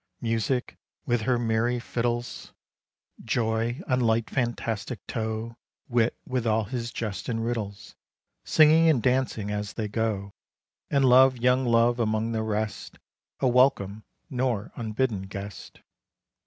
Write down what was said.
Music with her merry fiddles, Joy "on light fantastic toe," Wit with all his jests and riddles, Singing and dancing as they go. And Love, young Love, among the rest, A welcome nor unbidden guest.